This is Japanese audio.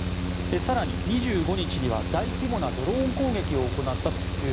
更に２５日には大規模なドローン攻撃を行ったと。